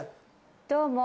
どうも。